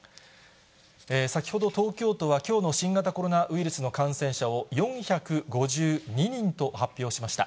先ほど、東京都はきょうの新型コロナウイルスの感染者を４５２人と発表しました。